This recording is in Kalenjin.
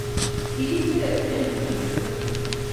Kiiter eng nyigisindo